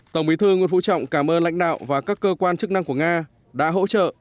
tổng bí thư nguyễn phú trọng cảm ơn lãnh đạo và các cơ quan chức năng của nga đã hỗ trợ